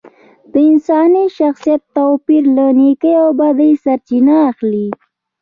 د انساني شخصیت توپیر له نیکۍ او بدۍ سرچینه اخلي